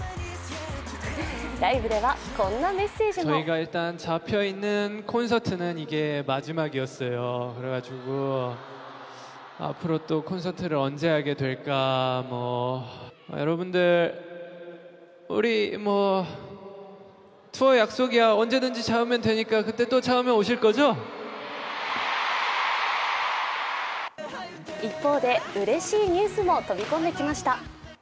ライブでは、こんなメッセージも一方で、うれしいニュースも飛び込んできました。